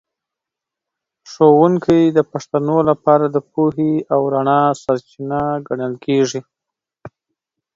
ښوونکی د پښتنو لپاره د پوهې او رڼا سرچینه ګڼل کېږي.